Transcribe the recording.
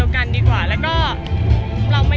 มันไม่น่าหาเป็นไง